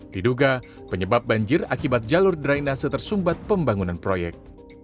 diduga penyebab banjir akibat jalur drainase tersumbat pembangunan proyek